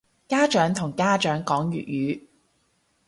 家長同家長講粵語